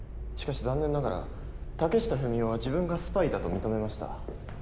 しかし残念ながら竹下文雄は自分がスパイだと認めました。